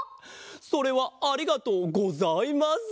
それはありがとうございます！